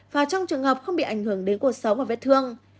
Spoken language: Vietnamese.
và trong trường hợp không bị ảnh hưởng đến cuộc sống và vết thương